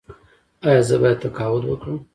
ایا زه باید تقاعد وکړم؟